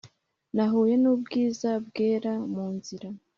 nahuye n'ubwiza bwera munzira